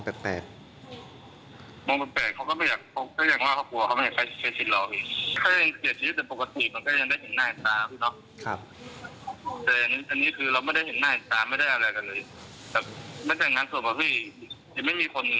ไม่มีคนเลยถ้าคนมีเจ้าที่